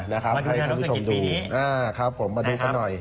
มาดูเรื่องเศรษฐกิจปีนี้